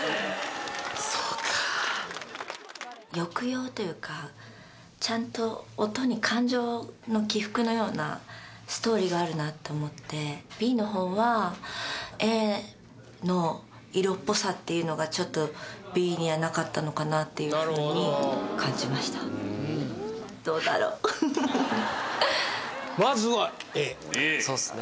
そうか抑揚というかちゃんと音に感情の起伏のようなストーリーがあるなって思ってＢのほうはＡの色っぽさっていうのがちょっとＢにはなかったのかなっていうふうに感じましたふふふふっそうですね